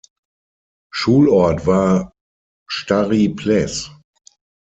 Schulort war Starý Ples.